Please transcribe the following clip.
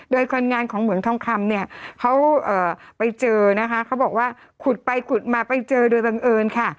โดยคนงานของเหมืองทองคำเนี่ยเขาไปเจอนะคะเขาบอกว่าขุดไปขุดมาไปเจอโดยบังเอิญค่ะ